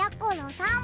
さん